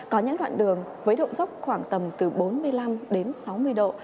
có những đoạn đường với độ dốc khoảng tầm từ bốn mươi năm đến sáu mươi độ